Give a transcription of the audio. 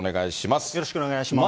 よろしくお願いします。